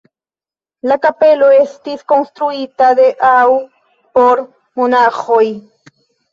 La kapelo estis konstruita de aŭ por monaĥoj.